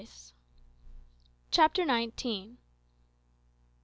CHAPTER NINETEEN.